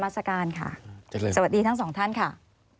สวัสดีทั้งสองท่านค่ะ